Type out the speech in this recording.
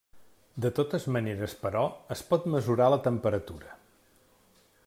De totes maneres però, es pot mesurar la temperatura.